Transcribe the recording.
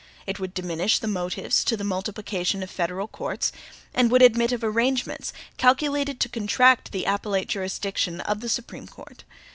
It would diminish the motives to the multiplication of federal courts, and would admit of arrangements calculated to contract the appellate jurisdiction of the Supreme Court.